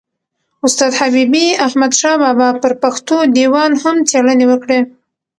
استاد حبیبي احمدشاه بابا پر پښتو دېوان هم څېړني وکړې.